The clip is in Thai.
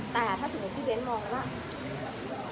แต่ถ้าสมมุติพี่เบ้นมองกันว่า